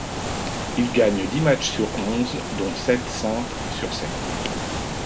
Il gagne dix matches sur onze dont sept simples sur sept.